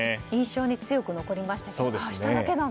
印象に強く残りましたよね。